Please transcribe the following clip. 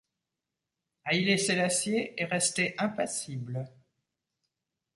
Haïlé Sélassié est resté impassible.